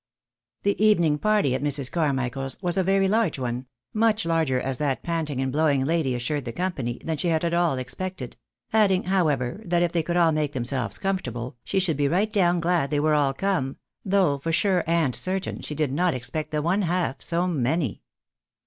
The evening party at Mrs. Carmichael's was a very large one — much larger, as that panting and blowing lady assured the com pany, than she had at all expected ; adding, however, that if they could all make themselves comfortable, she should be right down glad they were all come — though for sure and certain she did not expect the one half so many.